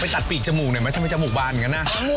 ไปตัดปีกจมูกหน่อยไหมทำไมจมูกบานกันนะ